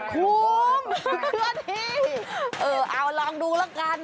คุ้มเคที่เอ้าลองดูละกัน